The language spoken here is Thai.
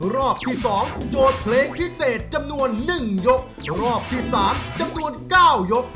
รอบที่สองโจทย์เพลงพิเศษจำนวนหนึ่งยกรอบที่สามจำนวนเก้ายก